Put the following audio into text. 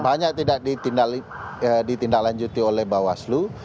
banyak tidak ditindaklanjuti oleh bawaslu